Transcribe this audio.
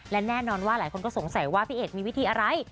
และแน่นอนว่าหลายคนก็สงสัยว่าพี่เอกมีวิธีอะไร